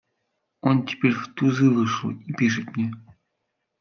Он теперь в тузы вышел и пишет мне.